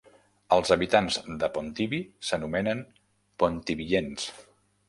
Els habitants de Pontivy s'anomenen "pontivyens".